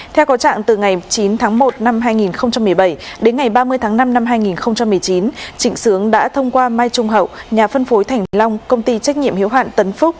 theo có trạng từ ngày chín tháng một năm hai nghìn một mươi bảy đến ngày ba mươi tháng năm năm hai nghìn một mươi chín trịnh sướng đã thông qua mai trung hậu nhà phân phối thành long công ty trách nhiệm hiếu hạn tấn phúc